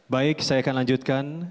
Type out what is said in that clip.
baik saya akan lanjutkan